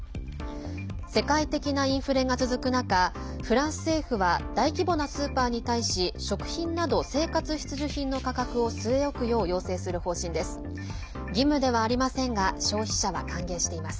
世界的なインフレが続く中フランス政府は大規模なスーパーに対し食品など生活必需品の価格を据え置くよう要請する方針です。